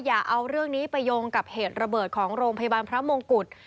อย่าเอาเรื่องนี้ไปโยงกับเหตุระเบิดของโรงพยาบาลพระมงกุฎ